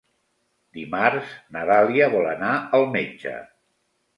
Dimarts na Dàlia vol anar al metge.